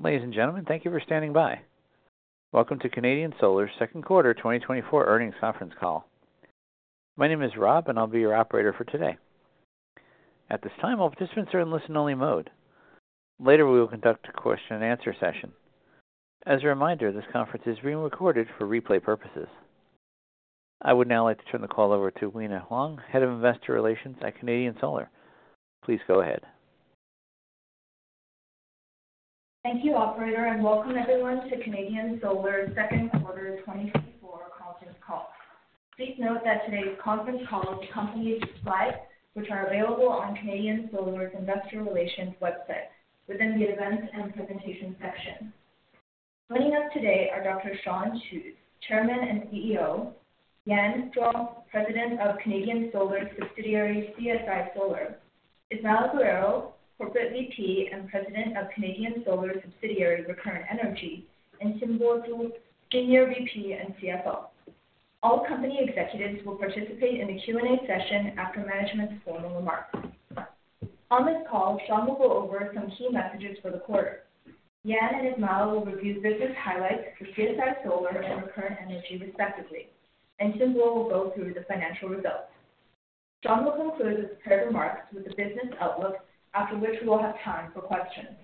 Ladies and gentlemen, thank you for standing by. Welcome to Canadian Solar's Q2 2024 earnings conference call. My name is Rob, and I'll be your operator for today. At this time, all participants are in listen-only mode. Later, we will conduct a question-and-answer session. As a reminder, this conference is being recorded for replay purposes. I would now like to turn the call over to Wina Huang, Head of Investor Relations at Canadian Solar. Please go ahead. Thank you, operator, and welcome everyone to Canadian Solar's Q2 2024 conference call. Please note that today's conference call, the company's slides, which are available on Canadian Solar's Investor Relations website within the Events and Presentations section. Joining us today are Dr. Shawn Qu, Chairman and CEO, Yan Zhuang, President of Canadian Solar's subsidiary, CSI Solar, Ismael Guerrero, Corporate VP and President of Canadian Solar's subsidiary, Recurrent Energy, and Xinbo Zhu, Senior VP and CFO. All company executives will participate in the Q&A session after management's formal remarks. On this call, Shawn will go over some key messages for the quarter. Yan and Ismael will review business highlights for CSI Solar and Recurrent Energy, respectively, and Xinbo will go through the financial results. Shawn will conclude his prepared remarks with the business outlook, after which we will have time for questions.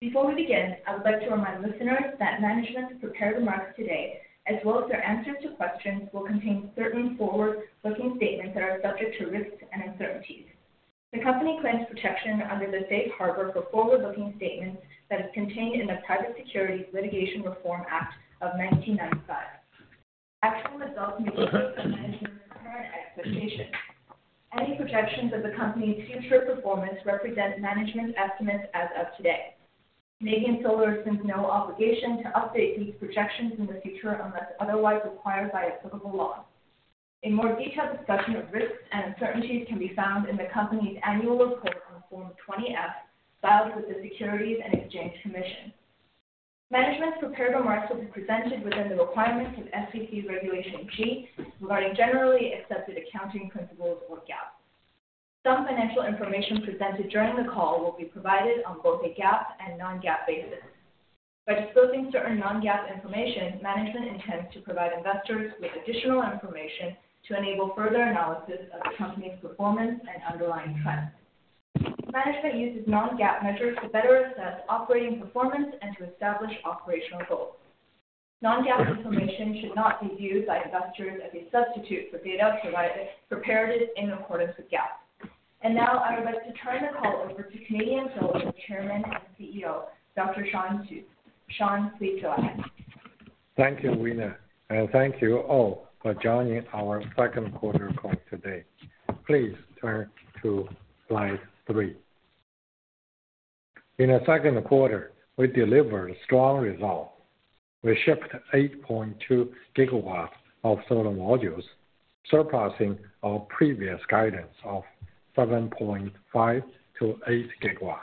Before we begin, I would like to remind listeners that management's prepared remarks today, as well as their answers to questions, will contain certain forward-looking statements that are subject to risks and uncertainties. The company claims protection under the safe harbor for forward-looking statements that is contained in the Private Securities Litigation Reform Act of 1995. Actual results may differ from management's current expectations. Any projections of the company's future performance represent management's estimates as of today. Canadian Solar assumes no obligation to update these projections in the future unless otherwise required by applicable law. A more detailed discussion of risks and uncertainties can be found in the company's annual report on Form 20-F, filed with the Securities and Exchange Commission. Management's prepared remarks will be presented within the requirements of SEC Regulation G, regarding generally accepted accounting principles, or GAAP. Some financial information presented during the call will be provided on both a GAAP and non-GAAP basis. By disclosing certain non-GAAP information, management intends to provide investors with additional information to enable further analysis of the company's performance and underlying trends. Management uses non-GAAP measures to better assess operating performance and to establish operational goals. Non-GAAP information should not be viewed by investors as a substitute for data provided, prepared in accordance with GAAP. And now, I would like to turn the call over to Canadian Solar's Chairman and CEO, Dr. Shawn Qu. Shawn, please go ahead. Thank you, Wina, and thank you all for joining our Q2 call today. Please turn to slide 3. In the Q2, we delivered strong results. We shipped 8.2 GW of solar modules, surpassing our previous guidance of 7.5-8 GW.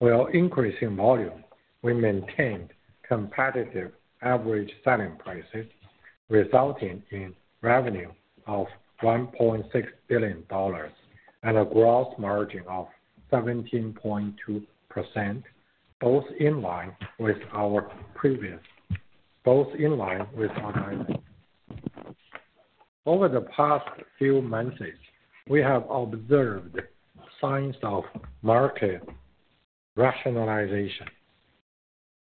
While increasing volume, we maintained competitive average selling prices, resulting in revenue of $1.6 billion and a gross margin of 17.2%, both in line with our guidance. Over the past few months, we have observed signs of market rationalization.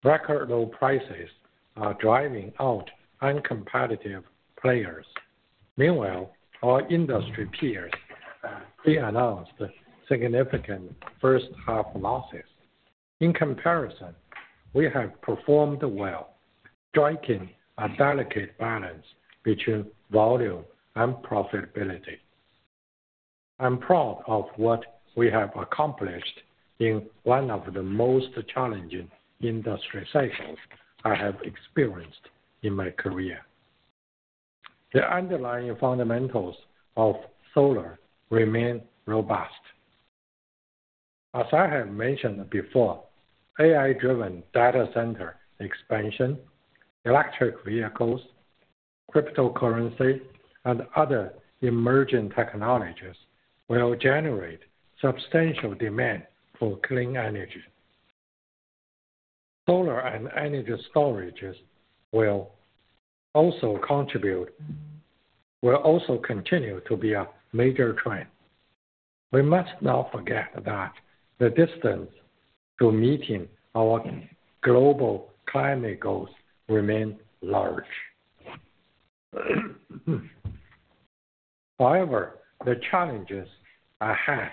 Record low prices are driving out uncompetitive players. Meanwhile, our industry peers pre-announced significant first-half losses. In comparison, we have performed well, striking a delicate balance between volume and profitability. I'm proud of what we have accomplished in one of the most challenging industry cycles I have experienced in my career. The underlying fundamentals of solar remain robust. As I have mentioned before, AI-driven data center expansion, electric vehicles, cryptocurrency, and other emerging technologies will generate substantial demand for clean energy. Solar and energy storages will also continue to be a major trend. We must not forget that the distance to meeting our global climate goals remain large. However, the challenges ahead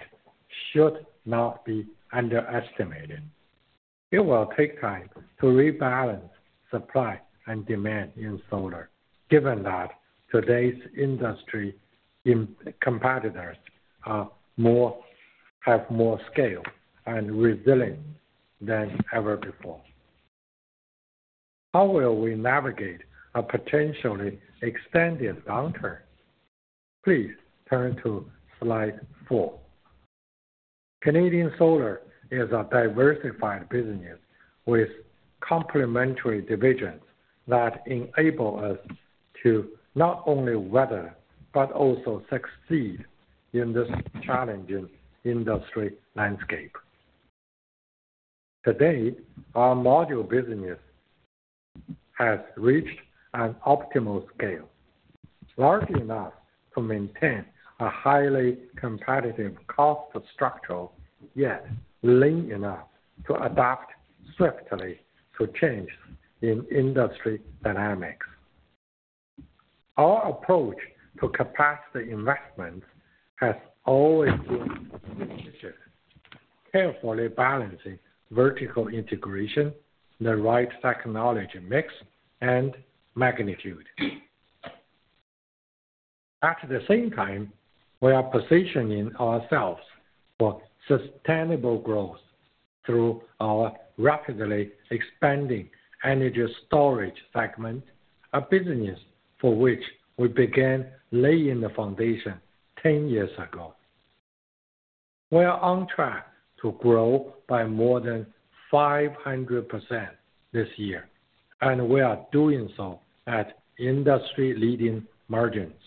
should not be underestimated. It will take time to rebalance supply and demand in solar, given that today's industry competitors have more scale and resilience than ever before. How will we navigate a potentially extended downturn? Please turn to slide four. Canadian Solar is a diversified business with complementary divisions that enable us to not only weather, but also succeed in this challenging industry landscape. Today, our module business has reached an optimal scale, large enough to maintain a highly competitive cost structure, yet lean enough to adapt swiftly to change in industry dynamics. Our approach to capacity investment has always been strategic, carefully balancing vertical integration, the right technology mix, and magnitude. At the same time, we are positioning ourselves for sustainable growth through our rapidly expanding energy storage segment, a business for which we began laying the foundation 10 years ago. We are on track to grow by more than 500% this year, and we are doing so at industry-leading margins.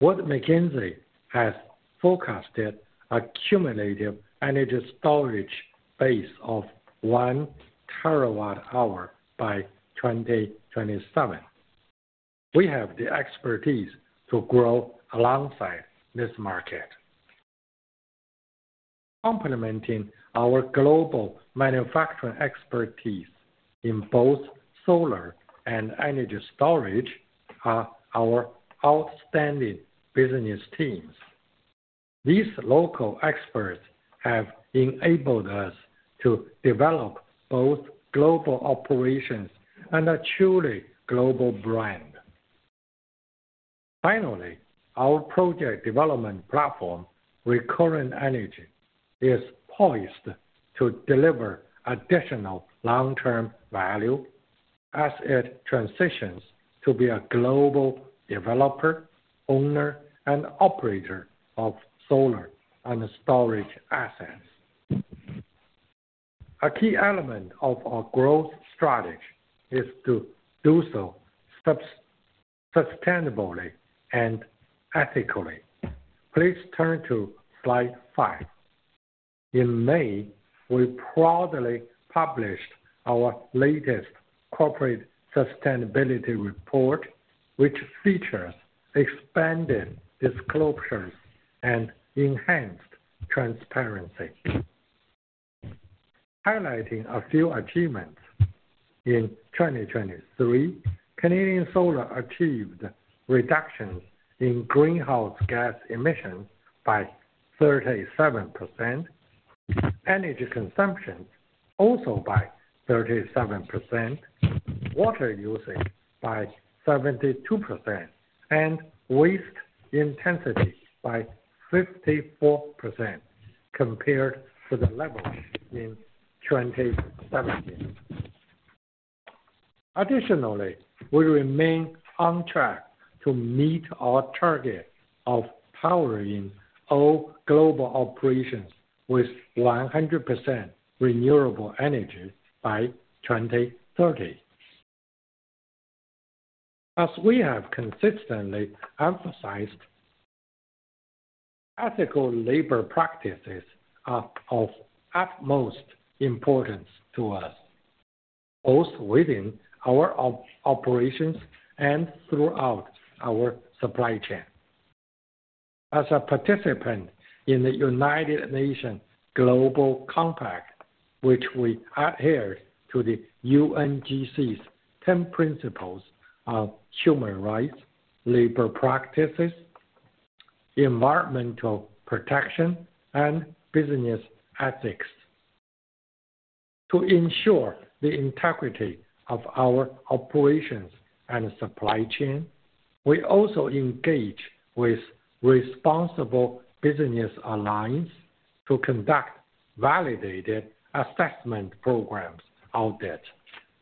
Wood Mackenzie has forecasted cumulative energy storage base of 1 TWh by 2027. We have the expertise to grow alongside this market. Complementing our global manufacturing expertise in both solar and energy storage are our outstanding business teams. These local experts have enabled us to develop both global operations and a truly global brand. Finally, our project development platform, Recurrent Energy, is poised to deliver additional long-term value as it transitions to be a global developer, owner, and operator of solar and storage assets. A key element of our growth strategy is to do so sustainably and ethically. Please turn to slide five. In May, we proudly published our latest corporate sustainability report, which features expanded disclosures and enhanced transparency. Highlighting a few achievements, in 2023, Canadian Solar achieved reductions in greenhouse gas emissions by 37%, energy consumption also by 37%, water usage by 72%, and waste intensity by 54% compared to the levels in 2017. Additionally, we remain on track to meet our target of powering all global operations with 100% renewable energy by 2030. As we have consistently emphasized, ethical labor practices are of utmost importance to us, both within our operations and throughout our supply chain. As a participant in the United Nations Global Compact, which we adhere to, the UNGC's ten principles of human rights, labor practices, environmental protection, and business ethics. To ensure the integrity of our operations and supply chain, we also engage with Responsible Business Alliance to conduct Validated Assessment Program audit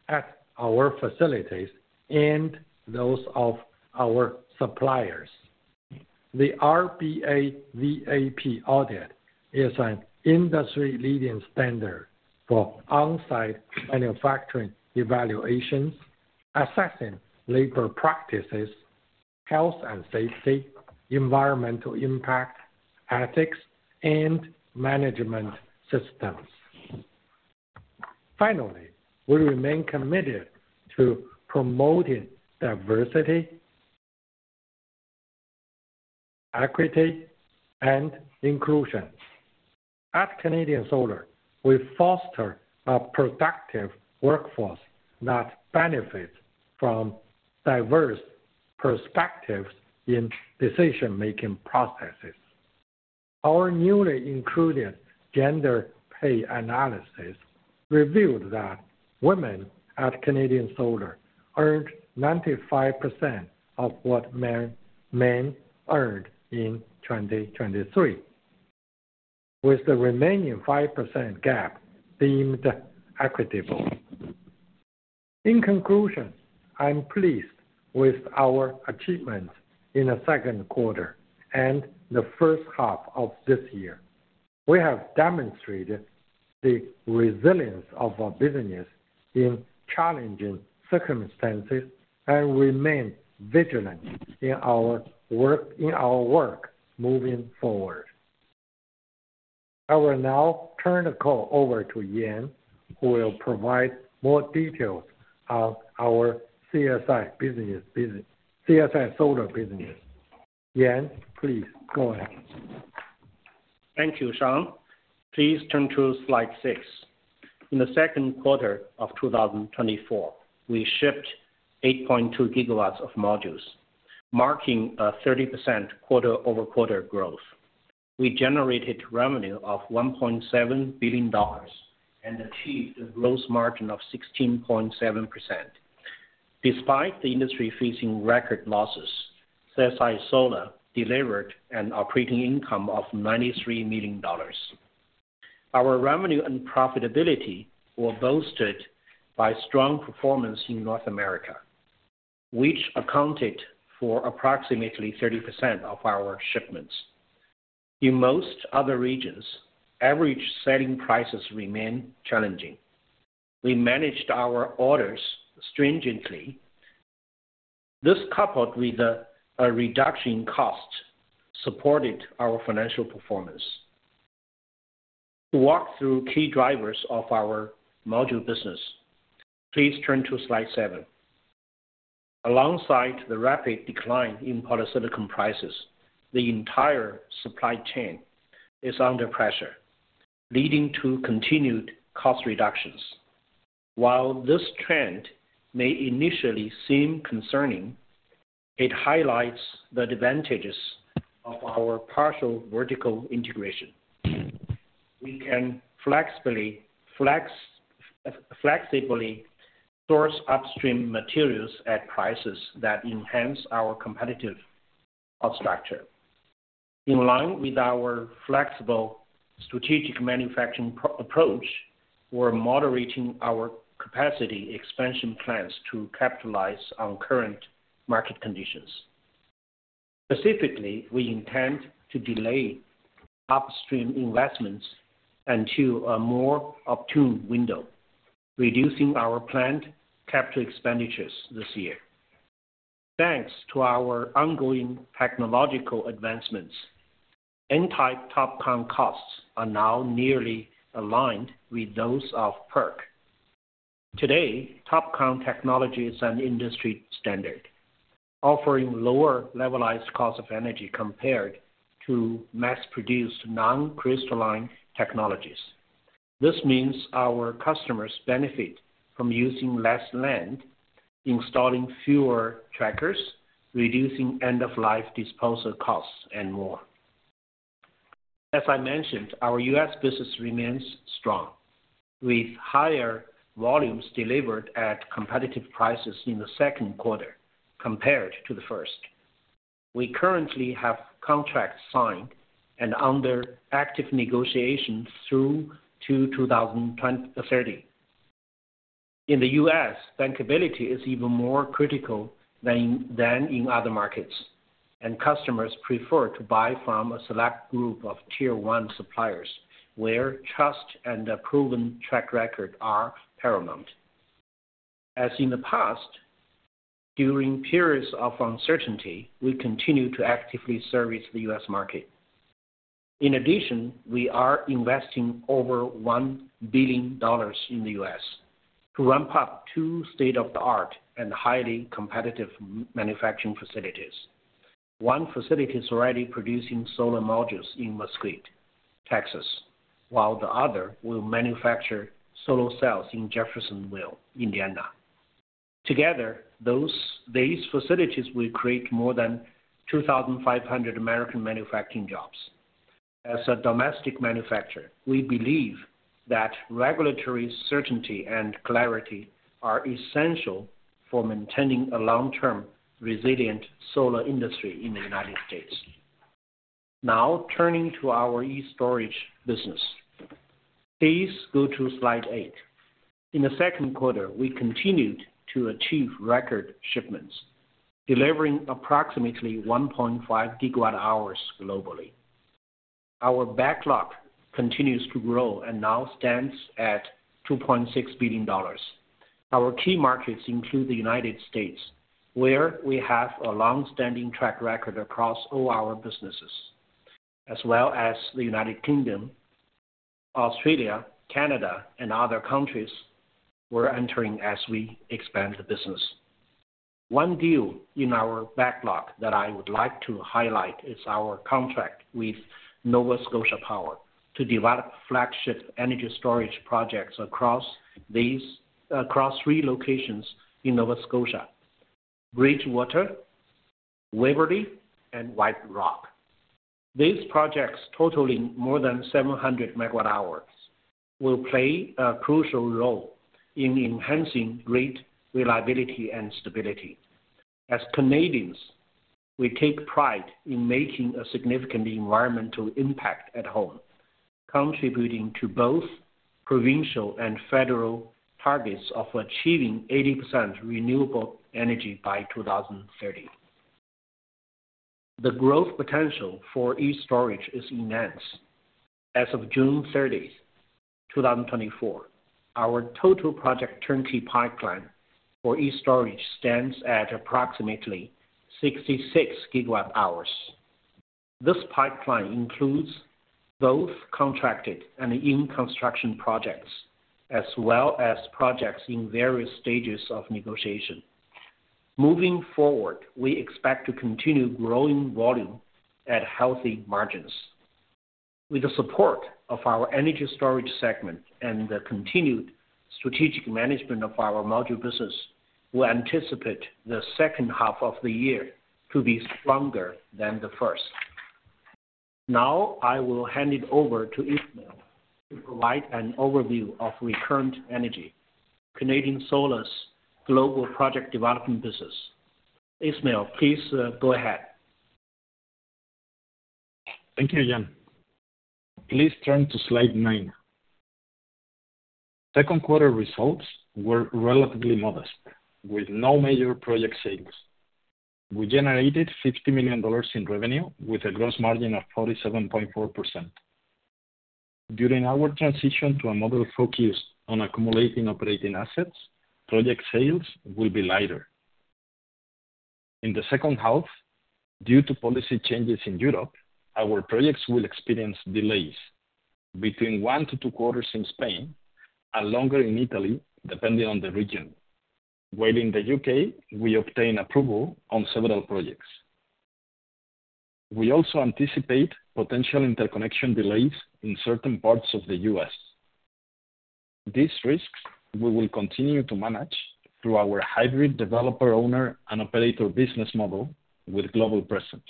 at our facilities and those of our suppliers. The RBA VAP audit is an industry-leading standard for on-site manufacturing evaluations, assessing labor practices, health and safety, environmental impact, ethics, and management systems. Finally, we remain committed to promoting diversity, equity, and inclusion. At Canadian Solar, we foster a productive workforce that benefits from diverse perspectives in decision-making processes. Our newly included gender pay analysis revealed that women at Canadian Solar earned 95% of what men earned in 2023, with the remaining 5% gap deemed equitable. In conclusion, I'm pleased with our achievements in the Q2 and the first half of this year. We have demonstrated the resilience of our business in challenging circumstances, and remain vigilant in our work moving forward. I will now turn the call over to Yan, who will provide more details on our CSI Solar business. Yan, please go ahead. Thank you, Shawn. Please turn to slide 6. In the Q2 of 2024, we shipped 8.2 GW of modules, marking a 30% quarter-over-quarter growth. We generated revenue of $1.7 billion and achieved a gross margin of 16.7%. Despite the industry facing record losses, CSI Solar delivered an operating income of $93 million. Our revenue and profitability were boosted by strong performance in North America, which accounted for approximately 30% of our shipments. In most other regions, average selling prices remain challenging. We managed our orders stringently. This, coupled with a reduction in cost, supported our financial performance. To walk through key drivers of our module business, please turn to slide 7. Alongside the rapid decline in polysilicon prices, the entire supply chain is under pressure, leading to continued cost reductions. While this trend may initially seem concerning, it highlights the advantages of our partial vertical integration. We can flexibly source upstream materials at prices that enhance our competitive cost structure. In line with our flexible strategic manufacturing approach, we're moderating our capacity expansion plans to capitalize on current market conditions. Specifically, we intend to delay upstream investments into a more opportune window, reducing our planned capital expenditures this year. Thanks to our ongoing technological advancements, n-type TOPCon costs are now nearly aligned with those of PERC. Today, TOPCon technology is an industry standard, offering lower levelized cost of energy compared to mass-produced non-crystalline technologies. This means our customers benefit from using less land, installing fewer trackers, reducing end-of-life disposal costs, and more. As I mentioned, our U.S. business remains strong, with higher volumes delivered at competitive prices in the Q2 compared to the first. We currently have contracts signed and under active negotiations through to 2030. In the U.S., bankability is even more critical than in other markets, and customers prefer to buy from a select group of tier one suppliers, where trust and a proven track record are paramount. As in the past, during periods of uncertainty, we continue to actively service the U.S. market. In addition, we are investing over $1 billion in the U.S. to ramp up two state-of-the-art and highly competitive manufacturing facilities. One facility is already producing solar modules in Mesquite, Texas, while the other will manufacture solar cells in Jeffersonville, Indiana. Together, these facilities will create more than 2,500 American manufacturing jobs. As a domestic manufacturer, we believe that regulatory certainty and clarity are essential for maintaining a long-term, resilient solar industry in the United States. Now, turning to our e-STORAGE business. Please go to slide 8. In the Q2, we continued to achieve record shipments, delivering approximately 1.5 GWh globally. Our backlog continues to grow and now stands at $2.6 billion. Our key markets include the United States, where we have a long-standing track record across all our businesses, as well as the United Kingdom, Australia, Canada, and other countries we're entering as we expand the business. One deal in our backlog that I would like to highlight is our contract with Nova Scotia Power to develop flagship energy storage projects across three locations in Nova Scotia: Bridgewater, Waverley, and White Rock. These projects, totaling more than 700 MWh, will play a crucial role in enhancing grid reliability and stability. We take pride in making a significant environmental impact at home, contributing to both provincial and federal targets of achieving 80% renewable energy by two thousand and thirty. The growth potential for e-STORAGE is immense. As of June 30, 2024, our total project turnkey pipeline for e-STORAGE stands at approximately 66 GWh. This pipeline includes both contracted and in-construction projects, as well as projects in various stages of negotiation. Moving forward, we expect to continue growing volume at healthy margins. With the support of our energy storage segment and the continued strategic management of our module business, we anticipate the second half of the year to be stronger than the first. Now, I will hand it over to Ismael to provide an overview of Recurrent Energy, Canadian Solar's global project development business. Ismael, please, go ahead. Thank you, Yan. Please turn to slide nine. Second quarter results were relatively modest, with no major project sales. We generated $50 million in revenue, with a gross margin of 47.4%. During our transition to a model focused on accumulating operating assets, project sales will be lighter. In the second half, due to policy changes in Europe, our projects will experience delays between one to two quarters in Spain, and longer in Italy, depending on the region, while in the U.K., we obtain approval on several projects. We also anticipate potential interconnection delays in certain parts of the U.S. These risks, we will continue to manage through our hybrid developer, owner, and operator business model with global presence.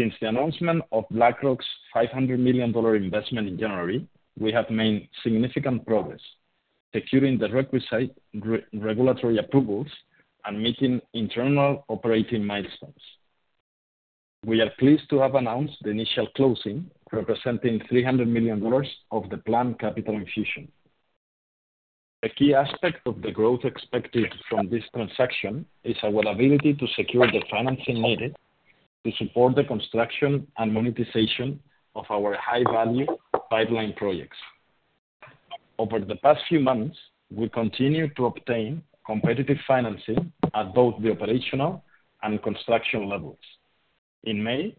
Since the announcement of BlackRock's $500 million investment in January, we have made significant progress, securing the requisite regulatory approvals and meeting internal operating milestones. We are pleased to have announced the initial closing, representing $300 million of the planned capital infusion. A key aspect of the growth expected from this transaction is our ability to secure the financing needed to support the construction and monetization of our high-value pipeline projects. Over the past few months, we continue to obtain competitive financing at both the operational and construction levels. In May,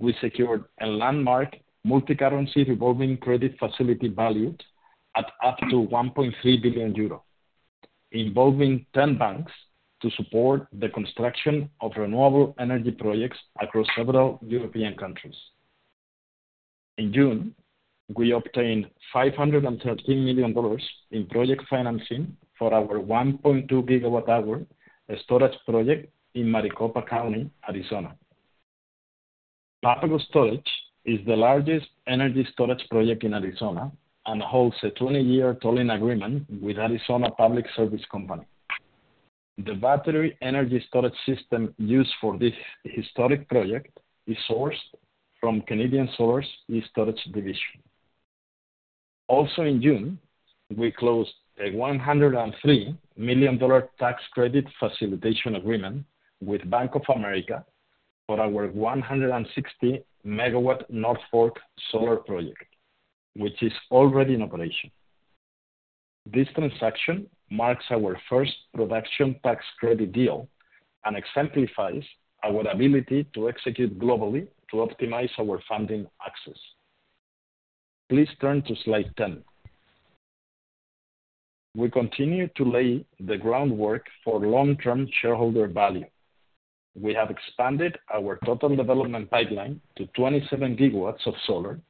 we secured a landmark multicurrency revolving credit facility valued at up to 1.3 billion euro, involving 10 banks, to support the construction of renewable energy projects across several European countries. In June, we obtained $513 million in project financing for our 1.2 GWh storage project in Maricopa County, Arizona. Papago Storage is the largest energy storage project in Arizona, and holds a 20-year tolling agreement with Arizona Public Service Company. The battery energy storage system used for this historic project is sourced from Canadian Solar's e-STORAGE division. Also, in June, we closed a $103 million tax credit facilitation agreement with Bank of America for our 160 MW North Fork Solar Project, which is already in operation. This transaction marks our first production tax credit deal, and exemplifies our ability to execute globally to optimize our funding access. Please turn to slide 10. We continue to lay the groundwork for long-term shareholder value. We have expanded our total development pipeline to 27 GW of solar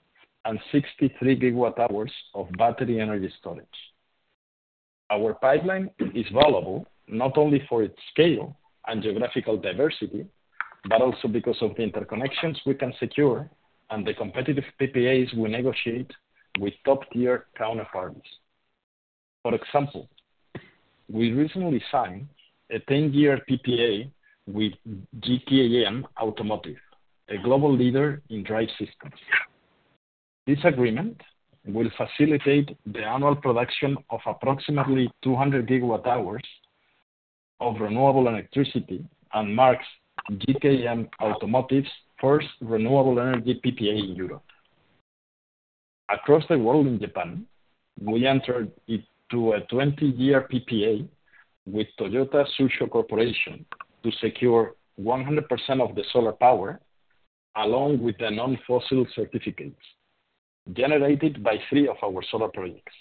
and 63 GW of battery energy storage. Our pipeline is valuable, not only for its scale and geographical diversity, but also because of the interconnections we can secure and the competitive PPAs we negotiate with top-tier counterparties. For example, we recently signed a 10-year PPA with GKN Automotive, a global leader in drive systems. This agreement will facilitate the annual production of approximately 200 GWh of renewable electricity, and marks GKN Automotive's first renewable energy PPA in Europe. Across the world in Japan, we entered into a 20-year PPA with Toyota Tsusho Corporation to secure 100% of the solar power, along with the non-fossil certificates generated by three of our solar projects.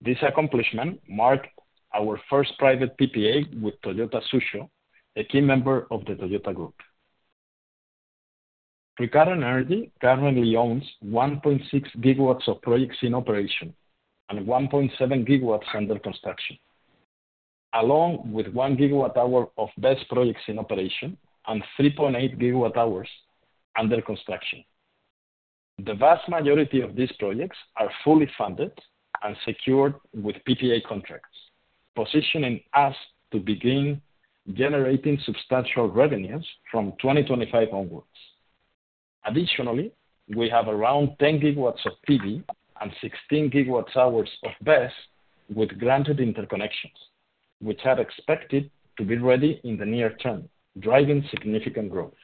This accomplishment marked our first private PPA with Toyota Tsusho, a key member of the Toyota Group. Recurrent Energy currently owns 1.6 GW of projects in operation and 1.7 GW under construction, along with 1 GWh of BESS projects in operation and 3.8 GWh under construction. The vast majority of these projects are fully funded and secured with PPA contracts, positioning us to begin generating substantial revenues from 2025 onwards. Additionally, we have around 10 GW of PV and 16 GWh of BESS with granted interconnections, which are expected to be ready in the near term, driving significant growth.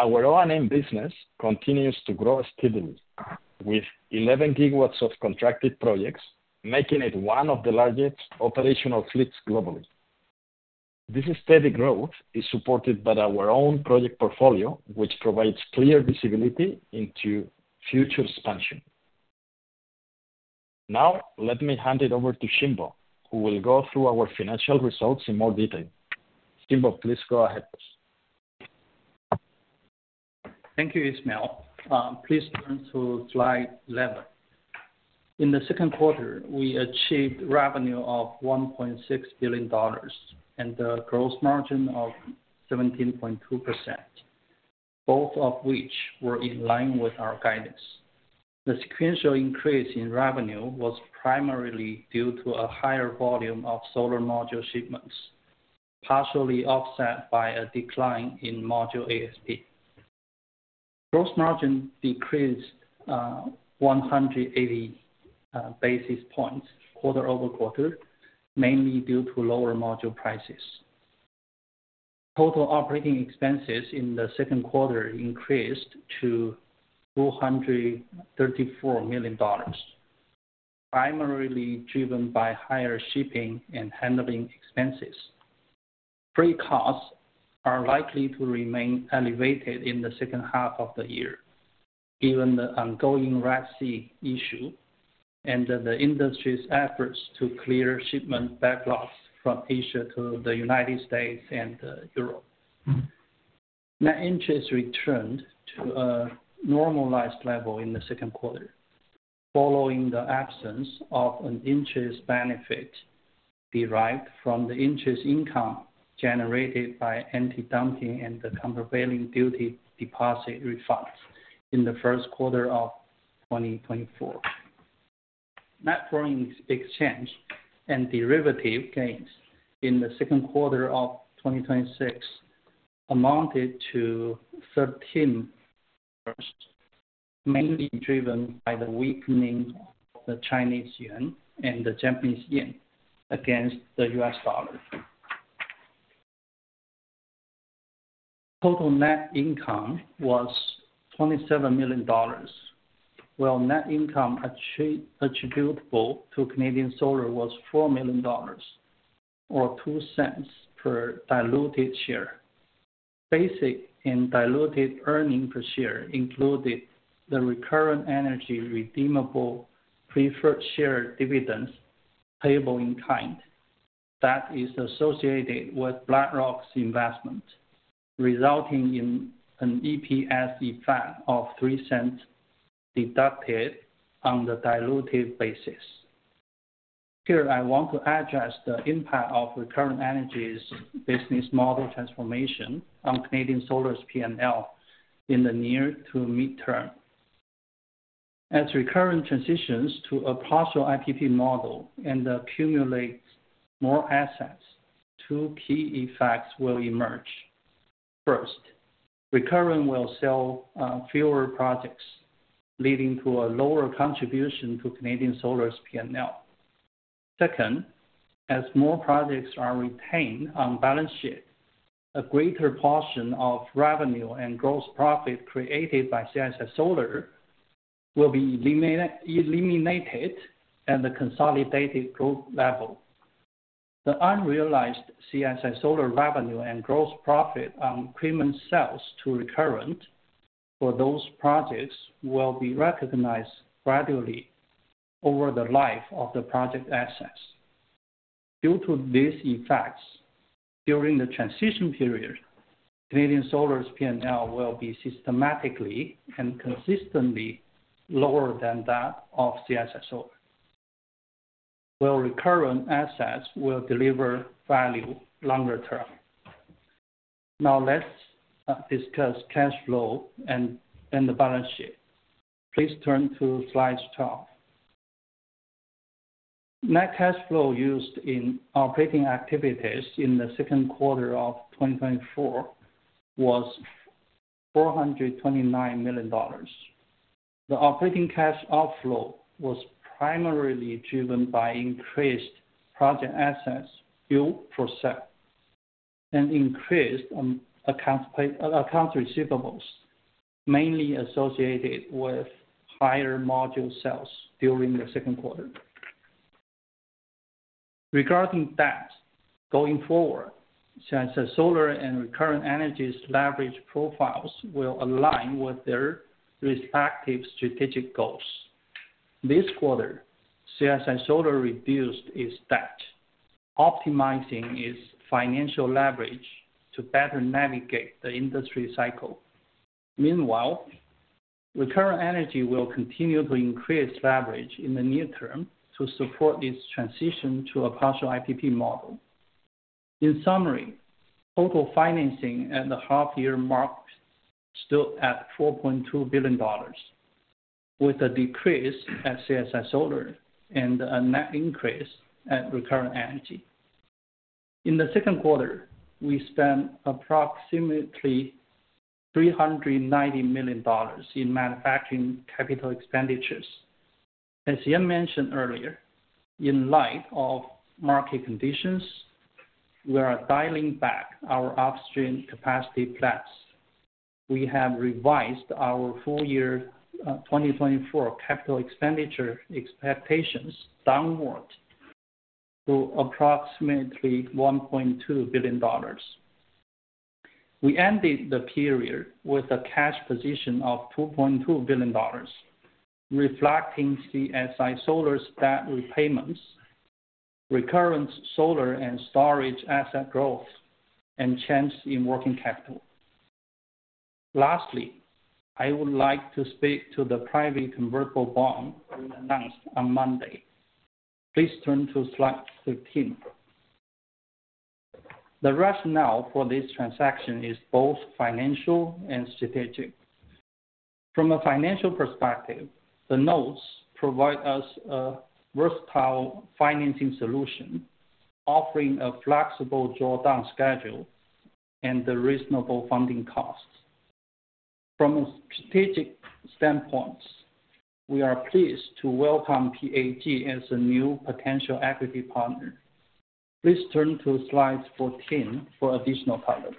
Our O&M business continues to grow steadily, with 11 GW of contracted projects, making it one of the largest operational fleets globally. This steady growth is supported by our own project portfolio, which provides clear visibility into future expansion. Now, let me hand it over to Xinbo, who will go through our financial results in more detail. Xinbo please go ahead. Thank you, Ismael. Please turn to slide eleven. In the Q2, we achieved revenue of $1.6 billion and a gross margin of 17.2%, both of which were in line with our guidance. The sequential increase in revenue was primarily due to a higher volume of solar module shipments, partially offset by a decline in module ASP. Gross margin decreased one hundred eighty basis points quarter over quarter, mainly due to lower module prices. Total operating expenses in the Q2 increased to $234 million, primarily driven by higher shipping and handling expenses. Freight costs are likely to remain elevated in the second half of the year, given the ongoing Red Sea issue and the industry's efforts to clear shipment backlogs from Asia to the United States and Europe. Net interest returned to a normalized level in the Q2, following the absence of an interest benefit derived from the interest income generated by anti-dumping and the countervailing duty deposit refunds in the Q1 of 2024. Net foreign exchange and derivative gains in the Q2 of 2026 amounted to 13 million, mainly driven by the weakening of the Chinese yuan and the Japanese yen against the U.S. dollar. Total net income was $27 million, while net income attributable to Canadian Solar was $4 million, or $0.02 per diluted share. Basic and diluted earnings per share included the Recurrent Energy redeemable preferred share dividends payable in kind, that is associated with BlackRock's investment, resulting in an EPS effect of $0.03 deducted on the diluted basis. Here, I want to address the impact of Recurrent Energy's business model transformation on Canadian Solar's P&L in the near to midterm. As Recurrent transitions to a partial IPP model and accumulates more assets, two key effects will emerge. First, Recurrent will sell fewer projects, leading to a lower contribution to Canadian Solar's P&L. Second, as more projects are retained on balance sheet, a greater portion of revenue and gross profit created by CSI Solar will be eliminated at the consolidated group level. The unrealized CSI Solar revenue and gross profit on premium sales to Recurrent for those projects will be recognized gradually over the life of the project assets. Due to these effects, during the transition period, Canadian Solar's P&L will be systematically and consistently lower than that of CSI Solar, where Recurrent assets will deliver value longer term. Now, let's discuss cash flow and the balance sheet. Please turn to slide 12. Net cash flow used in operating activities in the Q2 of 2024 was $429 million. The operating cash outflow was primarily driven by increased project assets built for sale, and increased accounts receivables, mainly associated with higher module sales during the Q2. Regarding debt, going forward, CSI Solar and Recurrent Energy's leverage profiles will align with their respective strategic goals. This quarter, CSI Solar reduced its debt, optimizing its financial leverage to better navigate the industry cycle. Meanwhile, Recurrent Energy will continue to increase leverage in the near term to support its transition to a partial IPP model. In summary, total financing at the half year mark stood at $4.2 billion, with a decrease at CSI Solar and a net increase at Recurrent Energy. In the Q2, we spent approximately $390 million in manufacturing capital expenditures. As Yan mentioned earlier, in light of market conditions, we are dialing back our upstream capacity plans. We have revised our full year, 2024 capital expenditure expectations downwards to approximately $1.2 billion. We ended the period with a cash position of $2.2 billion, reflecting CSI Solar's debt repayments, Recurrent Energy's solar and storage asset growth, and change in working capital. Lastly, I would like to speak to the private convertible bond we announced on Monday. Please turn to slide 13. The rationale for this transaction is both financial and strategic. From a financial perspective, the notes provide us a versatile financing solution, offering a flexible drawdown schedule and a reasonable funding cost. From a strategic standpoint, we are pleased to welcome PAG as a new potential equity partner. Please turn to slide 14 for additional color.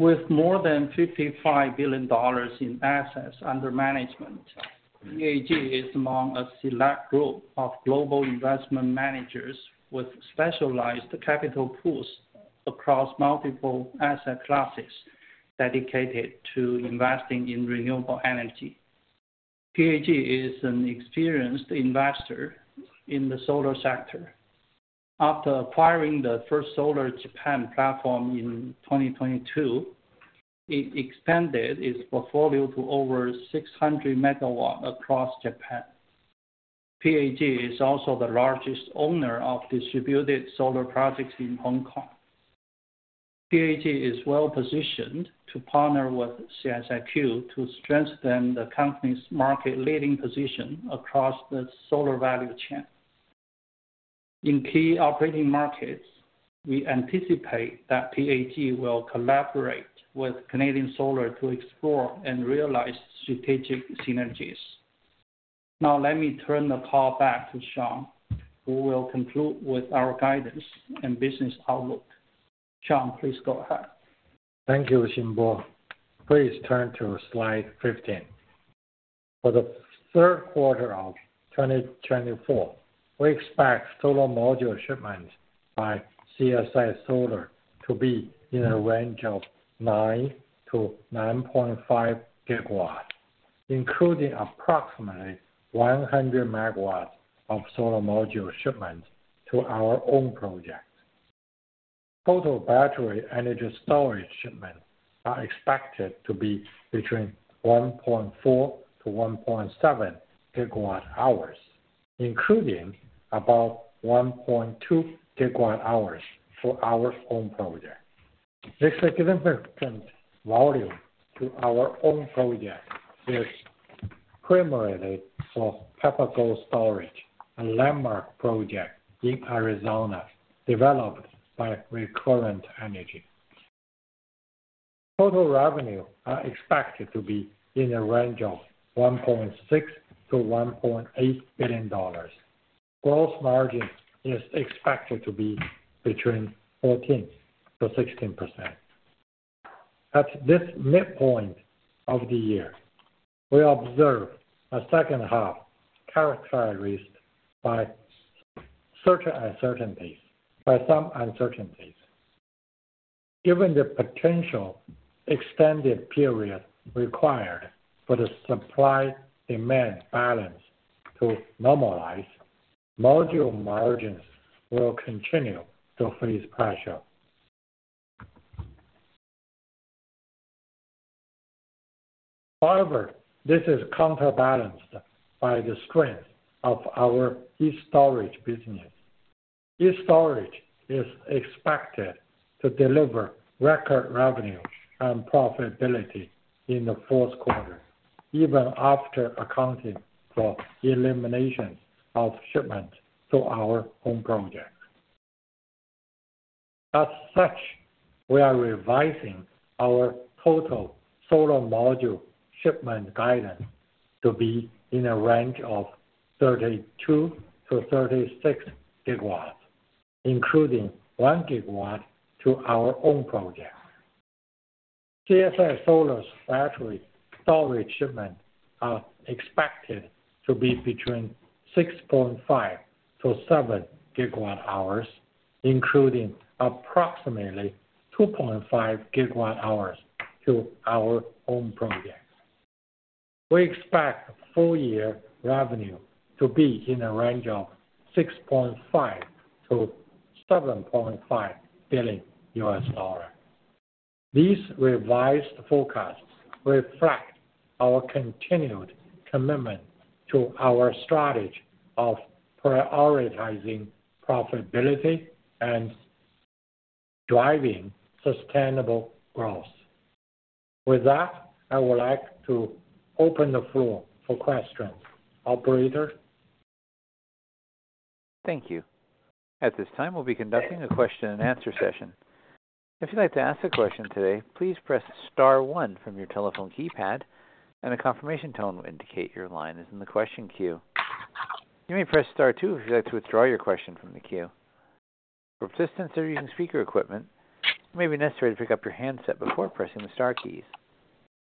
With more than $55 billion in assets under management, PAG is among a select group of global investment managers with specialized capital pools across multiple asset classes, dedicated to investing in renewable energy. PAG is an experienced investor in the solar sector. After acquiring the First Solar Japan platform in 2022, it expanded its portfolio to over 600 MW across Japan. PAG is also the largest owner of distributed solar projects in Hong Kong. PAG is well positioned to partner with CSIQ to strengthen the company's market-leading position across the solar value chain. In key operating markets, we anticipate that PAG will collaborate with Canadian Solar to explore and realize strategic synergies. Now, let me turn the call back to Shawn, who will conclude with our guidance and business outlook. Shawn, please go ahead. Thank you, Xinbo. Please turn to slide 15. For the third quarter of 2024, we expect solar module shipments by CSI Solar to be in a range of 9-9.5 GW, including approximately 100 MW of solar module shipments to our own projects. Total battery energy storage shipments are expected to be between 1.4-1.7 GWh, including about 1.2 GWh for our own projects. This significant volume to our own projects is primarily for Papago Storage, a landmark project in Arizona, developed by Recurrent Energy. Total revenue are expected to be in a range of $1.6-$1.8 billion. Gross margin is expected to be between 14%-16%. At this midpoint of the year, we observe a second half characterized by certain uncertainties. Given the potential extended period required for the supply-demand balance to normalize, module margins will continue to face pressure. However, this is counterbalanced by the strength of our storage business. e-STORAGE is expected to deliver record revenues and profitability in the fourth quarter, even after accounting for elimination of shipments to our own projects. As such, we are revising our total solar module shipment guidance to be in a range of 32-36 GW, including 1 GW to our own projects. CSI Solar's battery storage shipments are expected to be between 6.5-7 GWh, including approximately 2.5 GWh to our own projects. We expect full year revenue to be in a range of $6.5-$7.5 billion. These revised forecasts reflect our continued commitment to our strategy of prioritizing profitability and driving sustainable growth. With that, I would like to open the floor for questions. Operator? Thank you. At this time, we'll be conducting a question-and-answer session. If you'd like to ask a question today, please press star 1 from your telephone keypad, and a confirmation tone will indicate your line is in the question queue. You may press star 2 if you'd like to withdraw your question from the queue. For participants that are using speaker equipment, it may be necessary to pick up your handset before pressing the star keys.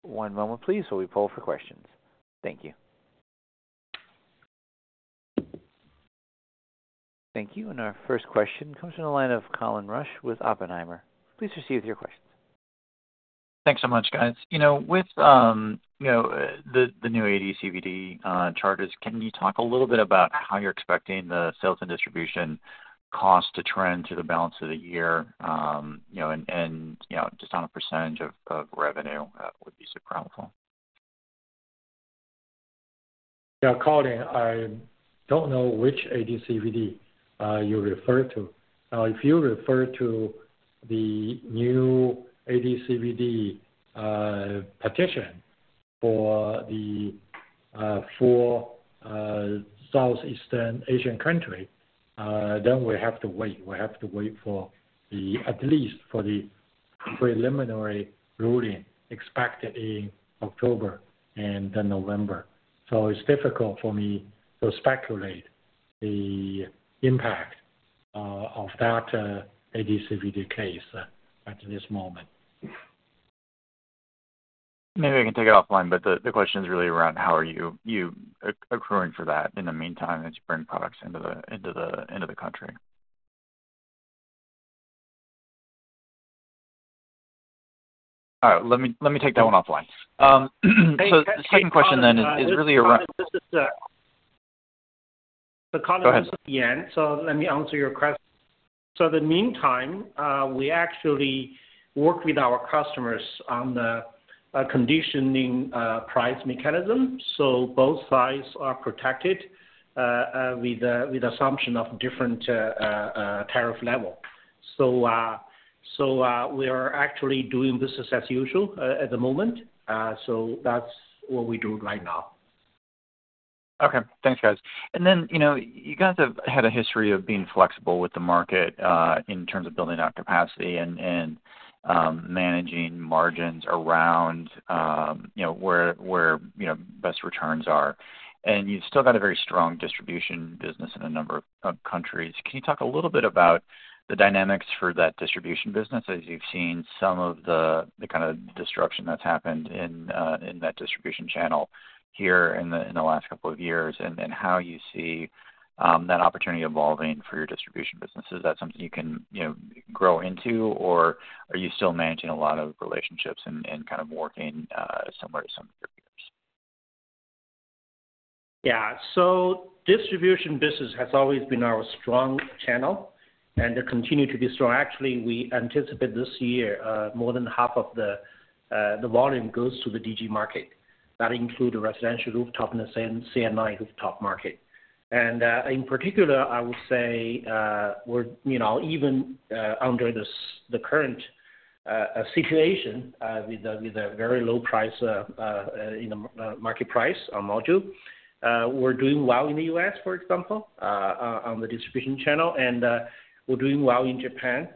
One moment please, while we poll for questions. Thank you. Thank you. Our first question comes from the line of Colin Rusch with Oppenheimer. Please proceed with your question. Thanks so much, guys. You know, with you know, the new AD/CVD charges, can you talk a little bit about how you're expecting the sales and distribution cost to trend to the balance of the year? You know, and you know, just on a percentage of revenue, that would be super helpful. Yeah, Colin, I don't know which AD/CVD you refer to. Now, if you refer to the new AD/CVD petition for the four Southeast Asian countries, then we have to wait. We have to wait for at least the preliminary ruling, expected in October and then November. So it's difficult for me to speculate the impact of that AD/CVD case at this moment. Maybe I can take it offline, but the question is really around how are you accruing for that in the meantime, as you bring products into the country? All right, let me take that one offline. So the second question then is really around- This is the Colin- Go ahead. Yan, so let me answer your question. So in the meantime, we actually work with our customers on the conditional price mechanism, so both sides are protected with assumption of different tariff level. So we are actually doing business as usual at the moment. So that's what we do right now. Okay. Thanks, guys. And then, you know, you guys have had a history of being flexible with the market, in terms of building out capacity and managing margins around, you know, where you know, best returns are. And you've still got a very strong distribution business in a number of countries. Can you talk a little bit about the dynamics for that distribution business, as you've seen some of the kind of disruption that's happened in that distribution channel here in the last couple of years, and then how you see that opportunity evolving for your distribution business? Is that something you can, you know, grow into, or are you still managing a lot of relationships and kind of working similar to some of your peers? Yeah. So distribution business has always been our strong channel, and it continued to be strong. Actually, we anticipate this year, more than half of the volume goes to the DG market. That include the residential rooftop and the small C&I rooftop market. And, in particular, I would say, we're, you know, even under the current situation, with a very low price in the market price on module, we're doing well in the U.S., for example, on the distribution channel, and, we're doing well in Japan.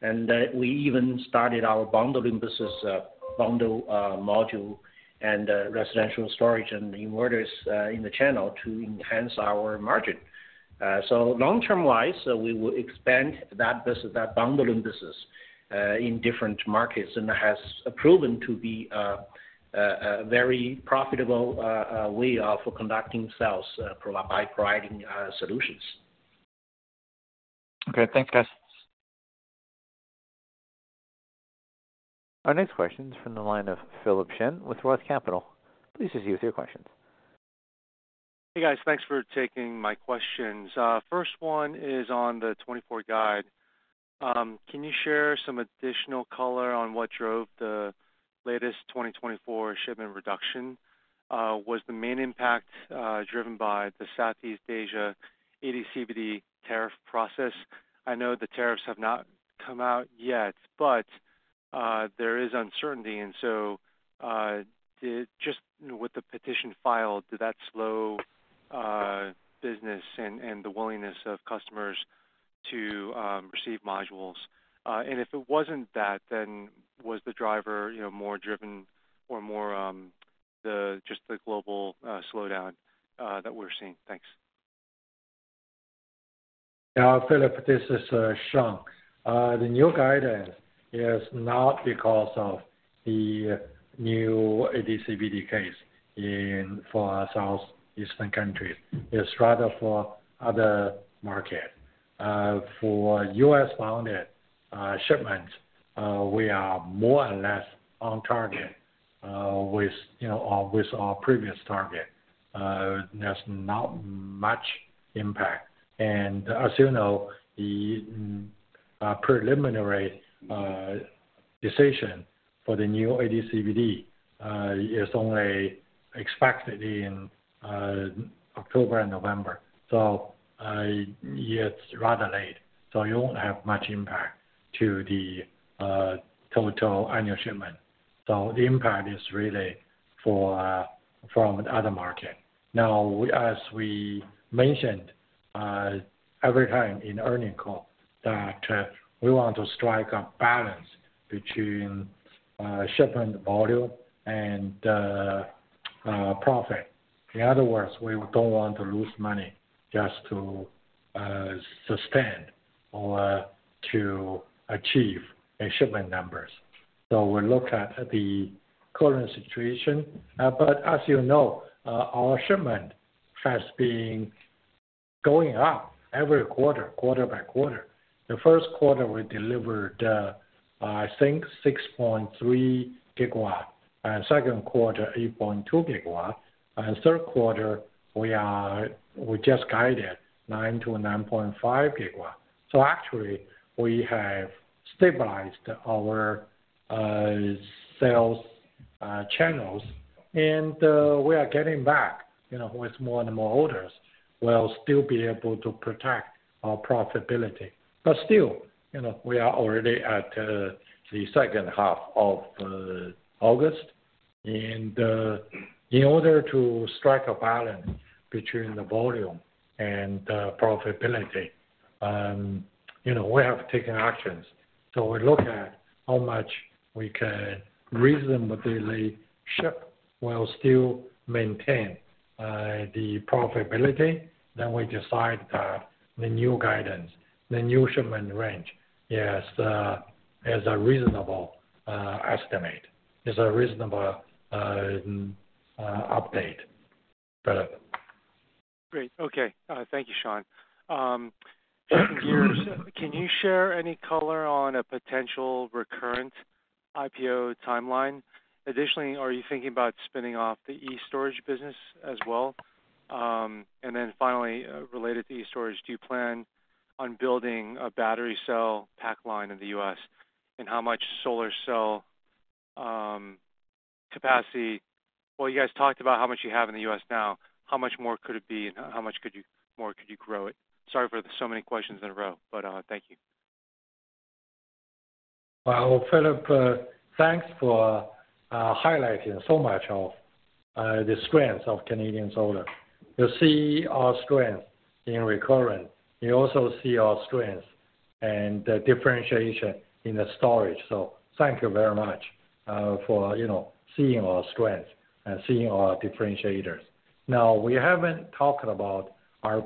And, we even started our bundling business, bundle module and residential storage and inverters, in the channel to enhance our margin. So, long term wise, we will expand that business, that bundling business, in different markets, and has proven to be a very profitable way for conducting sales by providing solutions. Okay, thanks, guys. Our next question is from the line of Philip Shen with Roth Capital. Please proceed with your questions. Hey, guys. Thanks for taking my questions. First one is on the 2024 guide. Can you share some additional color on what drove the latest 2024 shipment reduction? Was the main impact driven by the Southeast Asia AD/CVD tariff process? I know the tariffs have not come out yet, but there is uncertainty, and so, just with the petition filed, did that slow business and the willingness of customers to receive modules? And if it wasn't that, then was the driver, you know, more driven or more the just the global slowdown that we're seeing? Thanks. Yeah, Philip, this is Shawn. The new guidance is not because of the new AD/CVD case in, for Southeastern countries. It's rather for other market. For U.S.-bound shipments, we are more or less on target. with, you know, with our previous target. There's not much impact. And as you know, the preliminary decision for the new AD/CVD is only expected in October and November. So, it's rather late, so you won't have much impact to the total annual shipment. So the impact is really for from the other market. Now, as we mentioned every time in earnings call, that we want to strike a balance between shipment volume and profit. In other words, we don't want to lose money just to sustain or to achieve a shipment numbers. So we look at the current situation. But as you know, our shipment has been going up every quarter, quarter-by-quarter. The Q1, we delivered, I think 6.3 GW, and Q2, 8.2 GW, and Q3, we just guided 9 to 9.5 GW. So actually, we have stabilized our sales channels, and we are getting back, you know, with more and more orders. We'll still be able to protect our profitability. But still, you know, we are already at the second half of August, and in order to strike a balance between the volume and profitability, you know, we have taken actions. So we look at how much we can reasonably ship while still maintain the profitability, then we decide the new guidance, the new shipment range. Yes, as a reasonable update. Philip? Great. Okay. Thank you, Shawn. Can you share any color on a potential Recurrent IPO timeline? Additionally, are you thinking about spinning off the e-STORAGE business as well? And then finally, related to e-STORAGE, do you plan on building a battery cell pack line in the U.S., and how much solar cell capacity? You guys talked about how much you have in the U.S. now. How much more could it be, and how much more could you grow it? Sorry for so many questions in a row, but thank you. Well, Philip, thanks for highlighting so much of the strengths of Canadian Solar. You see our strength in Recurrent, you also see our strength and the differentiation in the storage. So thank you very much, for, you know, seeing our strengths and seeing our differentiators. Now, we haven't talked about our,...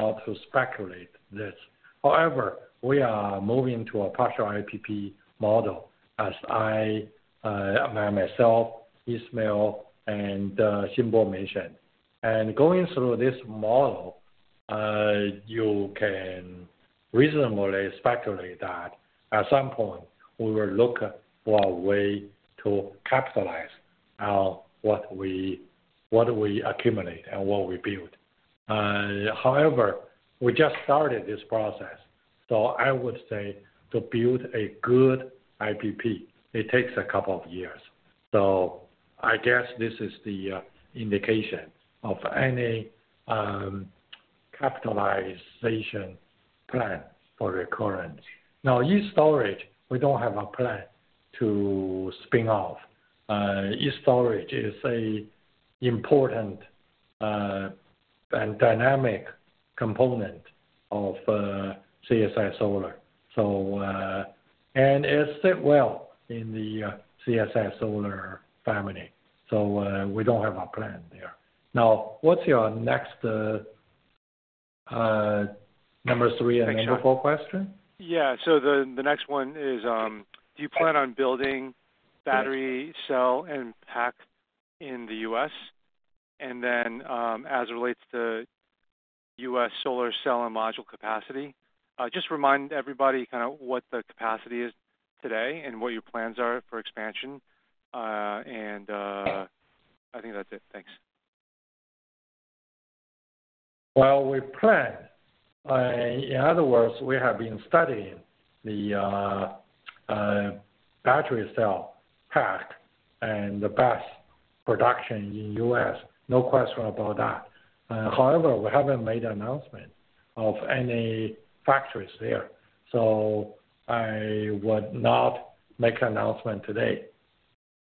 To speculate this. However, we are moving to a partial IPP model, as I myself, Ismael, and Xinbo mentioned. Going through this model, you can reasonably speculate that at some point, we will look for a way to capitalize on what we accumulate and what we build. However, we just started this process, so I would say to build a good IPP, it takes a couple of years. I guess this is the indication of any capitalization plan for Recurrent. Now, e-STORAGE, we don't have a plan to spin off. e-STORAGE is an important and dynamic component of CSI Solar. It sits well in the CSI Solar family, so we don't have a plan there. Now, what's your next number three and number four question? Yeah. So the next one is, do you plan on building battery- Yes... cell and pack in the U.S.? And then, as it relates to U.S. solar cell and module capacity, just remind everybody kind of what the capacity is today and what your plans are for expansion. And, I think that's it. Thanks. We plan, in other words, we have been studying the battery cell pack and the BESS production in U.S. No question about that. However, we haven't made an announcement of any factories there, so I would not make an announcement today.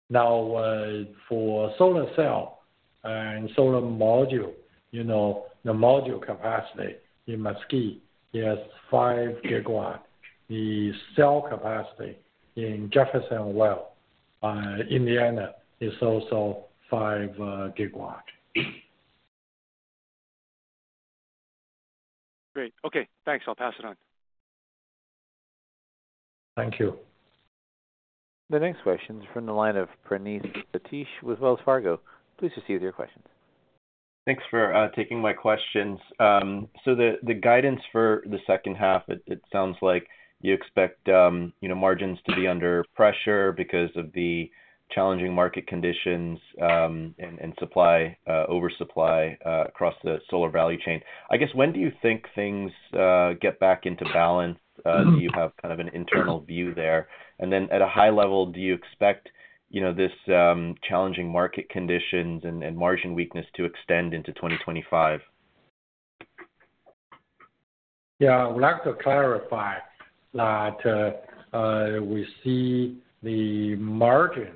Now, for solar cell and solar module, you know, the module capacity in Mesquite is 5 GW. The cell capacity in Jeffersonville, Indiana, is also 5 GW. Great. Okay, thanks. I'll pass it on. Thank you. The next question is from the line of Praneeth Satish with Wells Fargo. Please proceed with your question. Thanks for taking my questions. So the guidance for the second half, it sounds like you expect you know, margins to be under pressure because of the challenging market conditions and supply oversupply across the solar value chain. I guess, when do you think things get back into balance? Do you have kind of an internal view there? And then at a high level, do you expect you know, this challenging market conditions and margin weakness to extend into 2025? Yeah, I would like to clarify that, we see the margin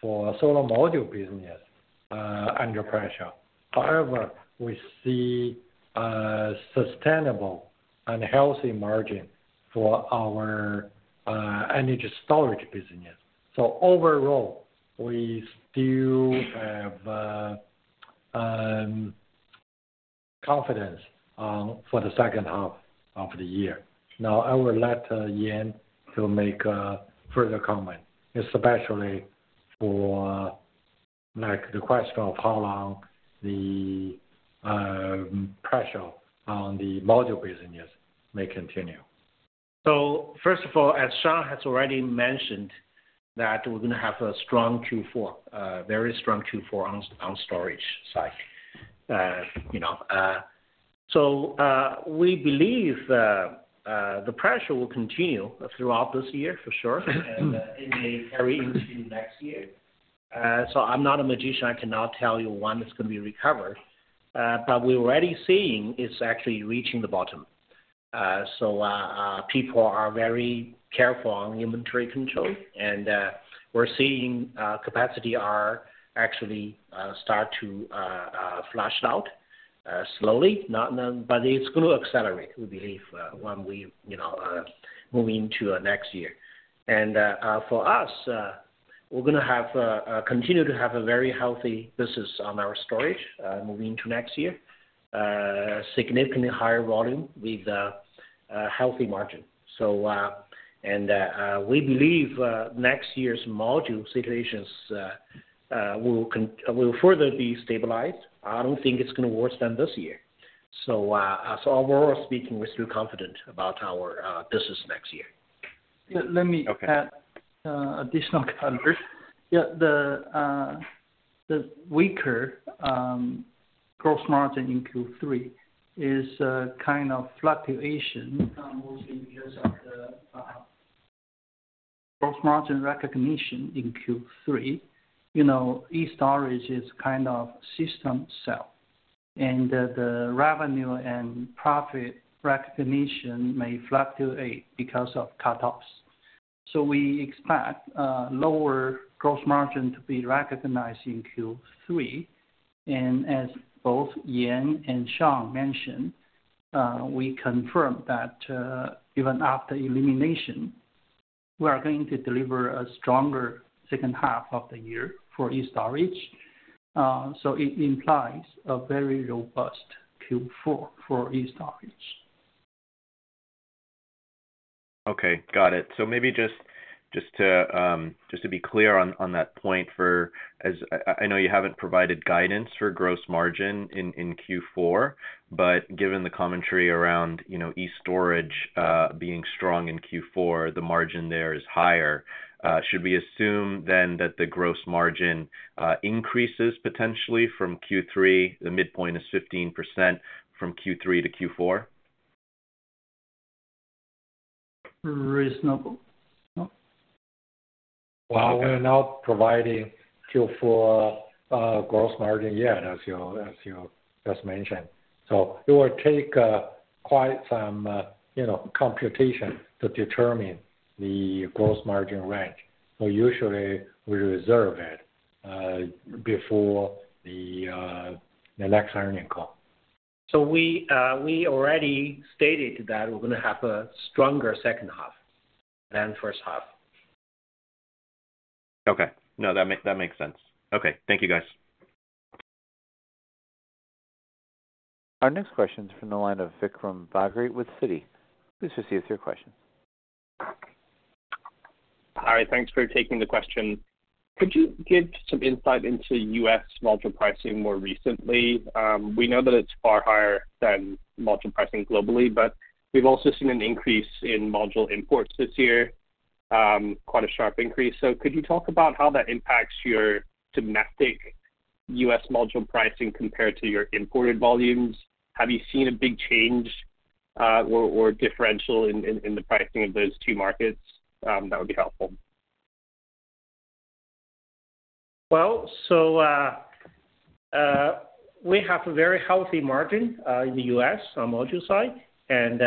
for solar module business under pressure. However, we see sustainable and healthy margin for our energy storage business. So overall, we still have confidence for the second half of the year. Now, I will let Yan to make a further comment, especially for like the question of how long the pressure on the module business may continue. First of all, as Shawn has already mentioned, that we're gonna have a strong Q4, very strong Q4 on storage side. You know, so we believe the pressure will continue throughout this year, for sure, and it may carry into next year. So I'm not a magician, I cannot tell you when it's gonna be recovered, but we're already seeing it's actually reaching the bottom. So people are very careful on inventory control, and we're seeing capacity are actually start to flush out slowly, not. But it's gonna accelerate, we believe, when we you know move into next year. And for us, we're gonna continue to have a very healthy business on our storage moving into next year. Significantly higher volume with a healthy margin. So, we believe next year's module situations will further be stabilized. I don't think it's gonna worse than this year. So, overall speaking, we're still confident about our business next year. Let me- Okay.... add additional color. Yeah, the weaker gross margin in Q3 is a kind of fluctuation, mostly because of the gross margin recognition in Q3. You know, e-STORAGE is kind of system sell, and the revenue and profit recognition may fluctuate because of cutoffs. So we expect lower gross margin to be recognized in Q3. And as both Yan and Shawn mentioned, we confirm that, even after elimination, we are going to deliver a stronger second half of the year for e-STORAGE. So it implies a very robust Q4 for e-STORAGE. Okay, got it. So maybe just to be clear on that point. I know you haven't provided guidance for gross margin in Q4, but given the commentary around, you know, e-STORAGE being strong in Q4, the margin there is higher. Should we assume then that the gross margin increases potentially from Q3, the midpoint is 15% from Q3 to Q4? Reasonable. No? Well, we're not providing Q4 gross margin yet, as you just mentioned. So it will take quite some you know computation to determine the gross margin range. So usually we reserve it before the next earnings call. So we already stated that we're gonna have a stronger second half than first half. Okay. No, that makes sense. Okay. Thank you, guys. Our next question is from the line of Vikram Bagri with Citi. Please proceed with your question. Hi, thanks for taking the question. Could you give some insight into U.S. module pricing more recently? We know that it's far higher than module pricing globally, but we've also seen an increase in module imports this year, quite a sharp increase. So could you talk about how that impacts your domestic U.S. module pricing compared to your imported volumes? Have you seen a big change, or differential in the pricing of those two markets? That would be helpful. We have a very healthy margin in the U.S. on module side, and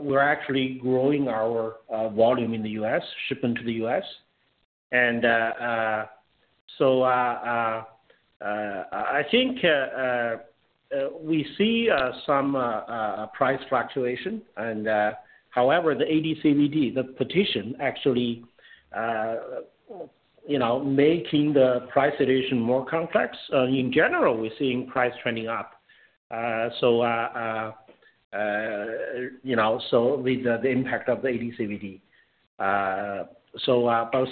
we're actually growing our volume in the U.S., shipment to the U.S. And so I think we see some price fluctuation. However, the AD/CVD, the petition, actually you know, making the price addition more complex. In general, we're seeing price trending up. So you know, so with the impact of the AD/CVD. But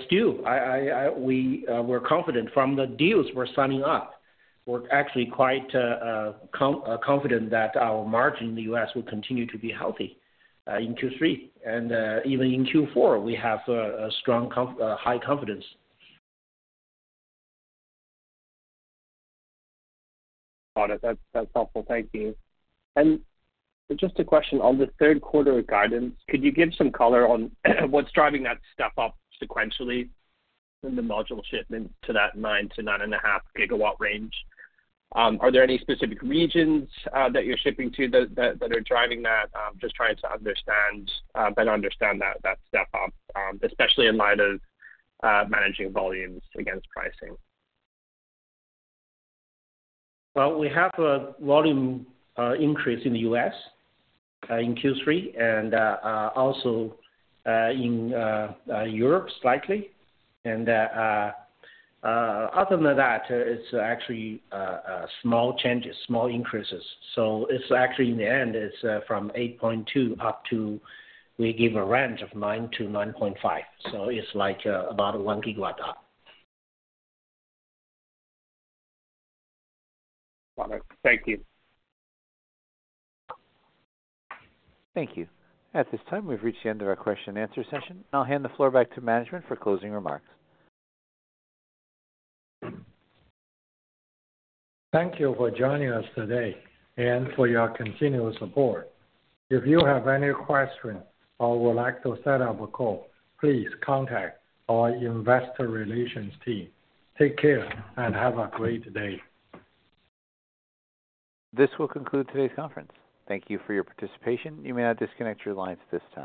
still, we're confident from the deals we're signing up. We're actually quite confident that our margin in the U.S. will continue to be healthy in Q3, and even in Q4, we have a strong high confidence. Got it. That's helpful. Thank you. Just a question on the third quarter guidance, could you give some color on what's driving that step up sequentially in the module shipment to that nine to nine and a half gigawatt range? Are there any specific regions that you're shipping to that are driving that? I'm just trying to better understand that step up, especially in light of managing volumes against pricing. We have a volume increase in the U.S. in Q3 and also in Europe, slightly. Other than that, it's actually small changes, small increases. It's actually, in the end, it's from eight point two up to... we give a range of nine-to-nine point five. It's like about 1 GW up. Got it. Thank you. Thank you. At this time, we've reached the end of our question-and-answer session. I'll hand the floor back to management for closing remarks. Thank you for joining us today and for your continuous support. If you have any questions or would like to set up a call, please contact our investor relations team. Take care and have a great day. This will conclude today's conference. Thank you for your participation. You may now disconnect your lines at this time.